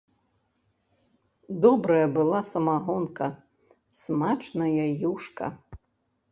Добрая была самагонка, смачная юшка!